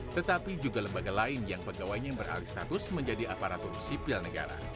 tetapi juga lembaga lain yang pegawainya yang beralih status menjadi aparatur sipil negara